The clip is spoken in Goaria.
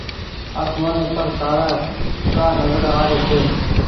آسمآني پر تآرآ ڪآ نزر آ ري ڇي۔